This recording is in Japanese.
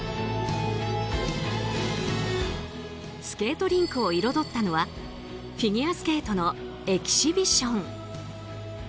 スケートリンクを彩ったのはフィギュアスケートのエキシビション。